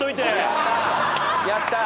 やった！